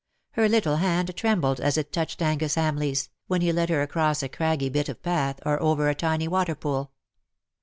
Her little hand trembled as it touched Angus HamleigVs, when 115 lie led her across a craggy bit of path, or over a tiny water pool.